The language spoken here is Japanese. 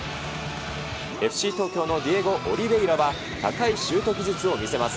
ＦＣ東京のディエゴ・オリヴェイラは高いシュート技術を見せます。